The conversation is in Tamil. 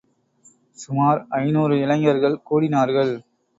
சுமார் ஐநூறு இளைஞர்கள் கூடினார்கள்.